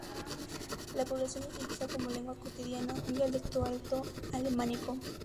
La población utiliza como lengua cotidiana, un dialecto alto alemánico.